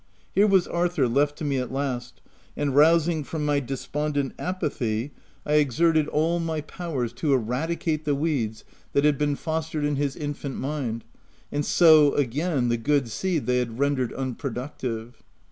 Here was Arthur left to me at last; and rousing from my despondent apathy, I exerted all my 70 THE TENANT powers to eradicate the weeds that had been fostered in his infant mind, and sow again the good seed they had rendered unproductive.